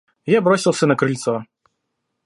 Я бросился на крыльцо.